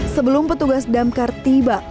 sebelum petugas damkar tiba